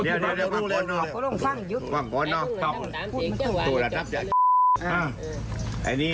หัวขวาพันธุ์ดี